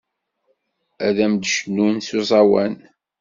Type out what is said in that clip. Ad am-d-cnun s uẓawan.